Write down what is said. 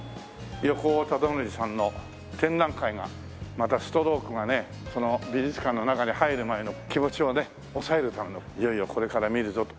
またストロークがねその美術館の中に入る前の気持ちをね抑えるためのいよいよこれから見るぞと。